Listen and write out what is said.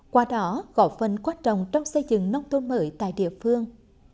qua đó gọi phân quá trọng trong xây dựng nông thôn mới tại địa phương